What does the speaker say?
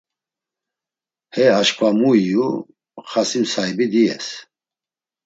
Hey aşǩva mu iyu, xasim saibi diyes.